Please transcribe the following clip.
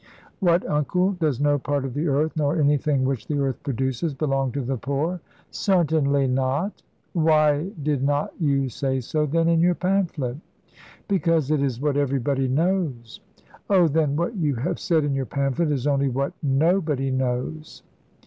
"What, uncle! does no part of the earth, nor anything which the earth produces, belong to the poor?" "Certainly not." "Why did not you say so, then, in your pamphlet?" "Because it is what everybody knows." "Oh, then, what you have said in your pamphlet is only what nobody knows."